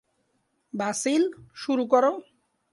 Basil, শুরু কর।